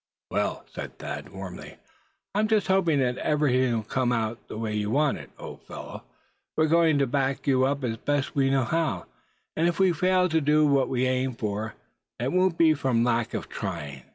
"Well," said Thad, warmly, "I'm just hoping that everything'll come out the way you want, old fellow. We're going to back you up the best we know how; and if we fail to do what we aim for, it won't be from lack of trying."